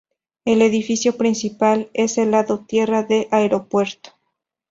El edificio principal es el lado tierra del aeropuerto.